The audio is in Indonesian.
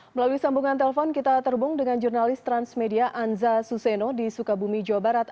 melalui sambungan telpon kita terhubung dengan jurnalis transmedia anza suseno di sukabumi jawa barat